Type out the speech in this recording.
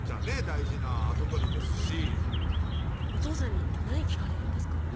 大事な跡取りですしでもお父さんに何聞かれるんですか？